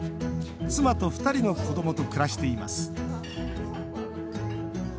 妻と２人の子どもと暮らしています。